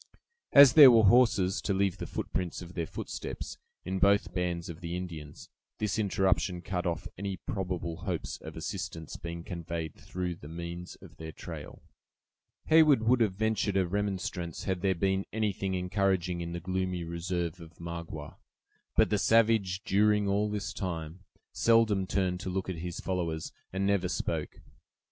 As there were horses, to leave the prints of their footsteps, in both bands of the Indians, this interruption cut off any probable hopes of assistance being conveyed through the means of their trail. Heyward would have ventured a remonstrance had there been anything encouraging in the gloomy reserve of Magua. But the savage, during all this time, seldom turned to look at his followers, and never spoke.